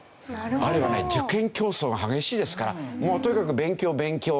あるいはね受験競争が激しいですからもうとにかく勉強勉強ですよね。